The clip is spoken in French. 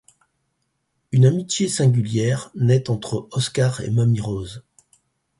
Une amitié singulière naît entre Oscar et Mamie Rose.